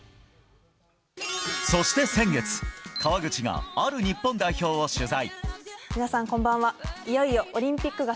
そして先月、川口がある日本代表を取材。